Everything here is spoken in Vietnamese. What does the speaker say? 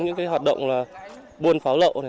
những hoạt động buôn pháo lậu